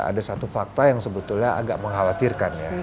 ada satu fakta yang sebetulnya agak mengkhawatirkan ya